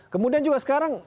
kemudian juga sekarang